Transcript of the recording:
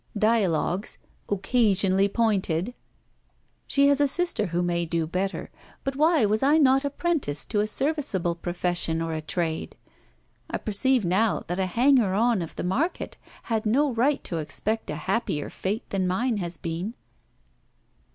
Dialogues "occasionally pointed." She has a sister who may do better. But why was I not apprenticed to a serviceable profession or a trade? I perceive now that a hanger on of the market had no right to expect a happier fate than mine has been.'